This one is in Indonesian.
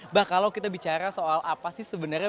mbak kalau kita bicara soal apa sih sebenarnya